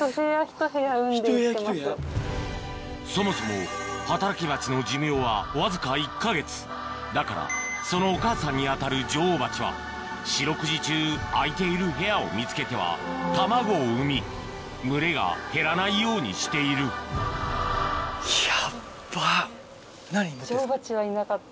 そもそもだからそのお母さんに当たる女王バチは四六時中空いている部屋を見つけては卵を産み群れが減らないようにしているヤバっ何？